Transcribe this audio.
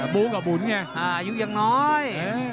เด็กหายุงยังน้อย